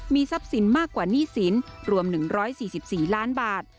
มีทรัพย์สินมากกว่าหนี้สินรวม๑๔๔ล้านบาท